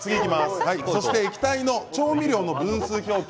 液体の調味料の分数表記